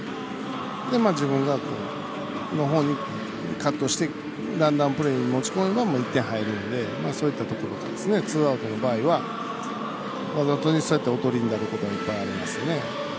自分のほうにカットしてランナープレーに持ち込めば１点、入るんでそういったところでツーアウトの場合はわざと、おとりになることはいっぱいありますね。